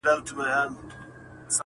ما پر منبر د خپل بلال ږغ اورېدلی نه دی -